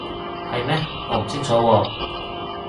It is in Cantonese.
係咩？我唔清楚喎